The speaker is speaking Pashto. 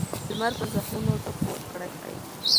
لمر به زخمونه ټکور کړي.